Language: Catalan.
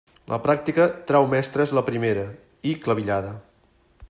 La pràctica trau mestres La primera, i clavillada.